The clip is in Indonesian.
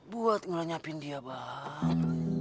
buat ngelanyapin dia bang